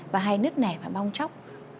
và hay nứt nẻ và bong chóc